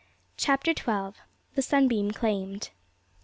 CHAPTER XII. THE SUNBEAM CLAIMED.